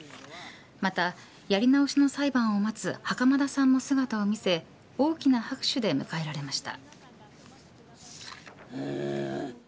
また、やり直しの裁判を待つ袴田さんも姿を見せ大きな拍手で迎えられました。